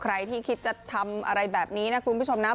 ใครที่คิดจะทำอะไรแบบนี้นะคุณผู้ชมนะ